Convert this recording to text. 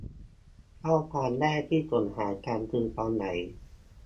ข้อความแรกที่ส่งหากันคือตอนไหน